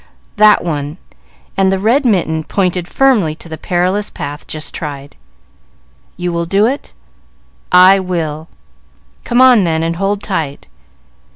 "That one!" and the red mitten pointed firmly to the perilous path just tried. "You will do it?" "I will!" "Come on, then, and hold tight."